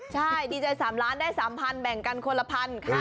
ใช่ดีใจสามล้านได้สามพันแบ่งกันคนละพันค่ะ